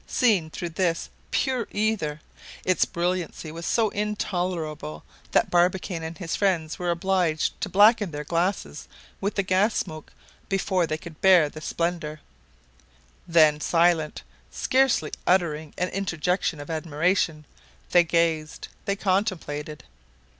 Seen through this pure ether, its brilliancy was so intolerable that Barbicane and his friends were obliged to blacken their glasses with the gas smoke before they could bear the splendor. Then silent, scarcely uttering an interjection of admiration, they gazed, they contemplated.